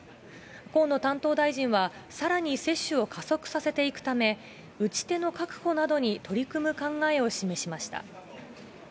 河野担当大臣は、さらに接種を加速させていくため、打ち手の確保などに取り組む考えを示しました。